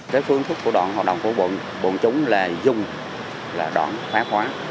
cái phương thức của đoạn hợp đồng của bộn chúng là dung là đoạn khóa khóa